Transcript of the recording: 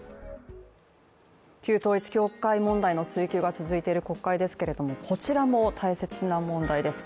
旧統一教会問題の追及が続いている国会ですけども、こちらも大切な問題です。